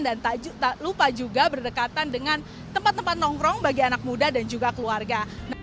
dan tak lupa juga berdekatan dengan tempat tempat nongkrong bagi anak muda dan juga keluarga